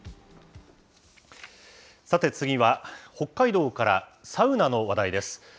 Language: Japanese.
さて、次は北海道からサウナの話題です。